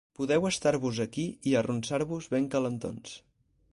Podeu estirar-vos aquí i arronsar-vos ben calentons.